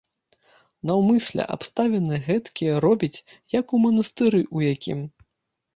Наўмысля абставіны гэткія робіць, як у манастыры ў якім.